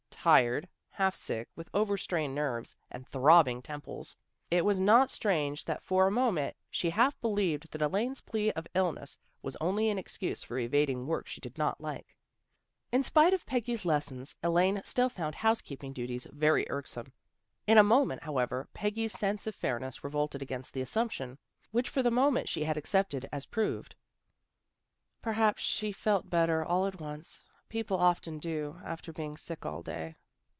Tired, half sick, with over strained nerves, and throbbing temples, it was not strange that for a moment she half believed that Elaine's plea of illness was only an excuse for evading work she did not like. In spite of Peggy's lessons, Elaine still found house keeping duties very irksome. In a moment, however, Peggy's sense of fairness revolted A DISAGREEMENT 233 against the assumption, which for the moment she had accepted as proved. " Perhaps she felt better, all at once. People often do, after being sick all day."